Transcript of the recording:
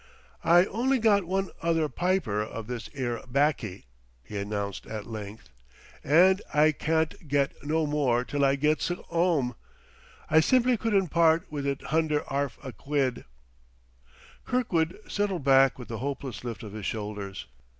"I only got one other pyper of this 'ere 'baccy," he announced at length, "and I carn't get no more till I gets 'ome. I simply couldn't part with it hunder 'arf a quid." Kirkwood settled back with a hopeless lift of his shoulders.